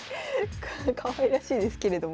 かわいらしいですけれども。